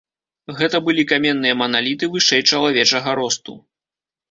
Гэта былі каменныя маналіты вышэй чалавечага росту.